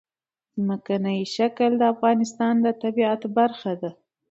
ځمکنی شکل د افغانستان د طبیعت برخه ده.